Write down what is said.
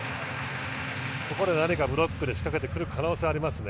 ここで何かブロックで仕掛けてくる可能性はありますね。